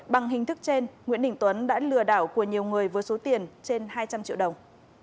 bằng hình thức trên nguyễn đình tuấn đã lừa đảo của nhiều người với số tiền trên hai trăm linh triệu đồng